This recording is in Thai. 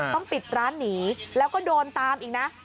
ต้องปิดร้านหนีแล้วก็โดนตามอีกนะ